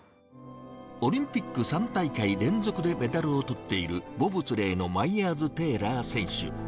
オリンピック３大会連続でメダルをとっているボブスレーのマイヤーズ・テーラー選手。